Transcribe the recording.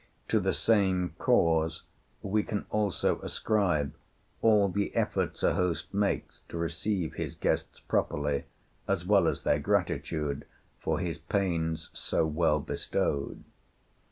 To the same cause we can also ascribe all the efforts a host makes to receive his guests properly, as well as their gratitude for his pains so well bestowed.